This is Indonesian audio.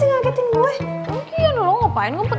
nahk tau ga lu clemen mor